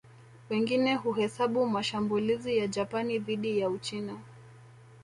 Wengine huhesabu mashambulizi ya Japani dhidi ya Uchina